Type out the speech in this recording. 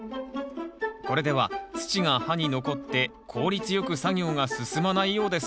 これでは土が刃に残って効率よく作業が進まないようです